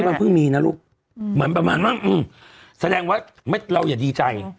เหมือนประมาณว่าแสดงว่าเราอย่าดีใจ